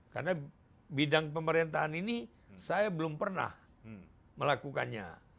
karena bidang pemerintahan ini saya belum pernah melakukannya